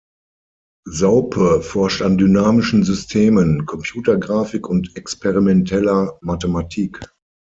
Saupe forscht an dynamischen Systemen, Computergrafik und experimenteller Mathematik.